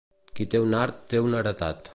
Qui té un art, té una heretat.